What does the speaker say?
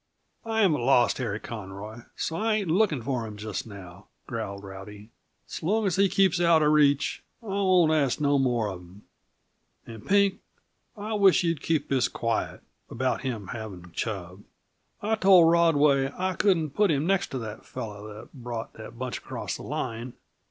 "I haven't lost Harry Conroy, so I ain't looking for him just now," growled Rowdy. "So long as he keeps out uh reach, I won't ask no more of him. And, Pink, I wish you'd keep this quiet about him having Chub. I told Rodway I couldn't put him next to the fellow that brought that bunch across the line.